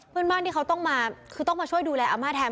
เพื่อนบ้านที่เขาต้องมาคือต้องมาช่วยดูแลอาม่าแทน